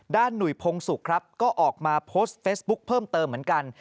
หนุ่ยพงศุกร์ครับก็ออกมาโพสต์เฟซบุ๊คเพิ่มเติมเหมือนกัน